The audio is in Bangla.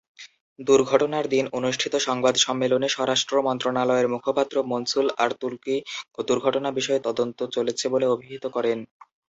দুর্ঘটনার দিন অনুষ্ঠিত সংবাদ সম্মেলনে স্বরাষ্ট্র মন্ত্রণালয়ের মুখপাত্র মনসুর আল-তুর্কি দুর্ঘটনা বিষয়ে তদন্ত চলছে বলে অবিহিত করেন।